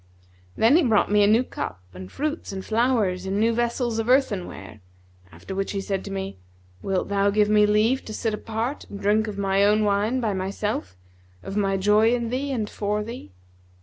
Then he brought me a new cup and fruits and flowers in new vessels of earthenware; after which he said to me, 'Wilt thou give me leave to sit apart and drink of my own wine by myself, of my joy in thee and for thee?'